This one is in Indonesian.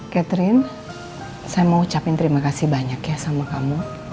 catherine saya mau ucapin terima kasih banyak ya sama kamu